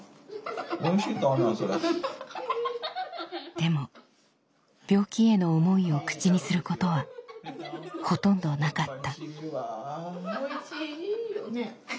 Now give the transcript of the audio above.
でも病気への思いを口にすることはほとんどなかった。